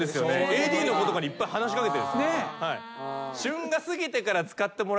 ＡＤの子とかにいっぱい話し掛けてる。